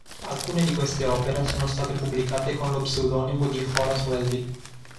Alcune di queste opere sono state pubblicate con lo pseudonimo di "Horace Welby".